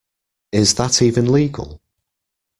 Is that even legal?